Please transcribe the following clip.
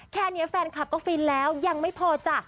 แค่นี้แฟนคลับก็ฟินแล้วยังไม่พอจ้ะ